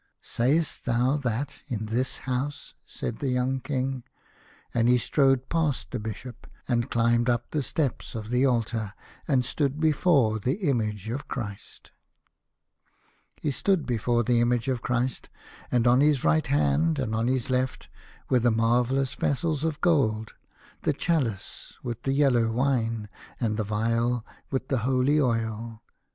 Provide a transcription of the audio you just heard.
" Sayest thou that in this house ?" said the young King, and he strode past the Bishop, and climbed up the steps of the altar, and stood before the image of Christ. 24 The Young King. He stood before the image of Christ, and on his right hand and on his left were the marvellous vessels of gold, the chalice with the yellow wine, and the vial with the holy oil.